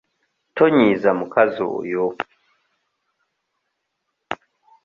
Tonyiiza mukazi oyo.